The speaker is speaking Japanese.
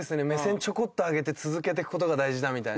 ちょこっと上げて続けてくことが大事だみたいな。